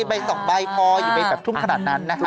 ใบ๒ใบพออยู่ไปแบบทุ่มขนาดนั้นนะคะ